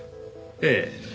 ええ。